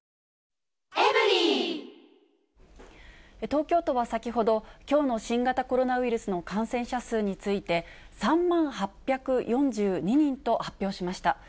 東京都は先ほど、きょうの新型コロナウイルスの感染者数について、３万８４２人と発表しました。